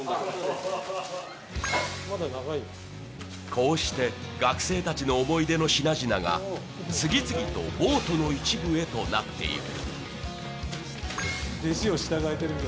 こうして学生たちの思い出の品々が次々とボートの一部へとなっていく。